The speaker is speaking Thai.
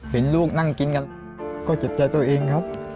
เห็นลูกนั่งกินกันก็เจ็บใจตัวเองครับ